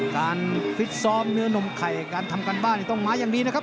ฟิตซ้อมเนื้อนมไข่การทำการบ้านต้องมาอย่างดีนะครับ